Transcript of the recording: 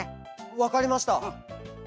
わかりました。